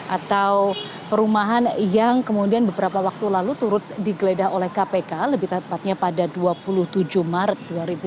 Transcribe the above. atau perumahan yang kemudian beberapa waktu lalu turut digeledah oleh kpk lebih tepatnya pada dua puluh tujuh maret dua ribu dua puluh